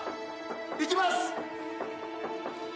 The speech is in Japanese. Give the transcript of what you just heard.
いきます！